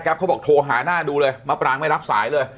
เขาบอกโทรหาหน้าดูเลยมะปรางไม่รับสายเลย